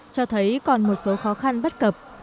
cho thấy còn một số khó khăn bất cập